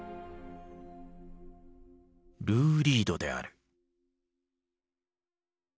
ルー・リードである。